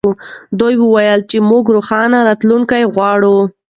دوی وویل چې موږ روښانه راتلونکې غواړو.